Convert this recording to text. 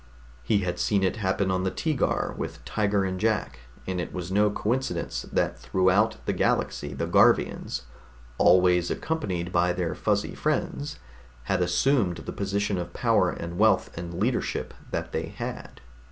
He had even seen it happen on the Teegar with Tiger and Jack, and it was no coincidence that throughout the galaxy the Garvians always accompanied by their fuzzy friends had assumed the position of power and wealth and leadership that they had.